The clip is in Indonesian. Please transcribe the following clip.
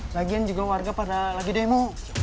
lagian juga warga pada lagi demo